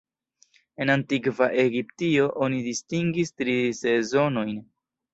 En antikva Egiptio, oni distingis tri sezonojn.